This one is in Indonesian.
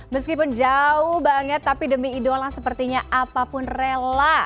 meskipun jauh banget tapi demi idola sepertinya apapun rela